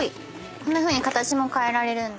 こんなふうに形も変えられるんだ。